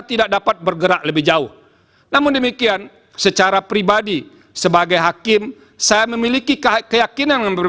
tidak dapat bergerak lebih jauh namun demikian secara pribadi sebagai hakim saya memiliki keyakinan